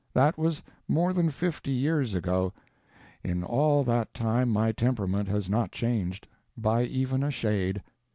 That was more than fifty years ago. In all that time my temperament has not changed, by even a shade.